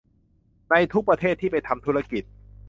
ในทุกประเทศที่ไปทำธุรกิจ